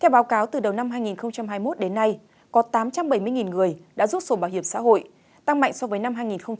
theo báo cáo từ đầu năm hai nghìn hai mươi một đến nay có tám trăm bảy mươi người đã rút sổ bảo hiểm xã hội tăng mạnh so với năm hai nghìn hai mươi hai